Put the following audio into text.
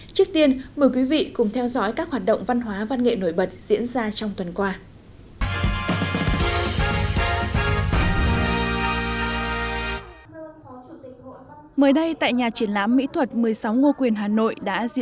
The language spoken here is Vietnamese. trước tiên mời quý vị cùng theo dõi các hoạt động văn hóa văn nghệ nổi bật diễn ra trong tuần qua